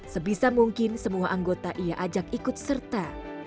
sebisa mungkin semua anggota ia ajak ikut serta